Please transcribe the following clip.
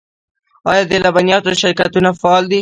آیا د لبنیاتو شرکتونه فعال دي؟